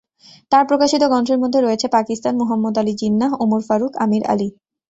তাঁর প্রকাশিত গ্রন্থের মধ্যে রয়েছে "পাকিস্তান", "মুহাম্মদ আলি জিন্নাহ", "ওমর ফারুক", "আমির আলি"।